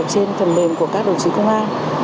trên thần mềm của các đồng chí công an